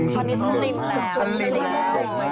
ตอนนี้สลิมแล้วสลิมแล้วสลิมแล้วสลิมแล้ว